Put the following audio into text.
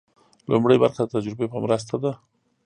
لومړۍ برخه د تجربې په مرسته ده.